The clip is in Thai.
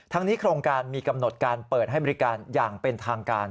นี้โครงการมีกำหนดการเปิดให้บริการอย่างเป็นทางการ